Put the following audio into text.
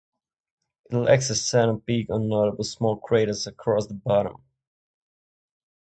It lacks a central peak or notable small craters across the bottom.